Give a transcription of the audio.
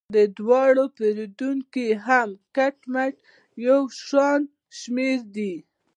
د دواړو پیرودونکي هم په کټ مټ یو شان شمیر دي.